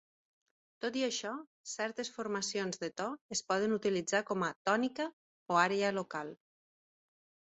Tot i això, certes formacions de to es poden utilitzar com a "tònica" o àrea local.